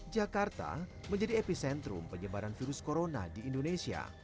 jakarta menjadi epicentrum penyebaran virus corona di indonesia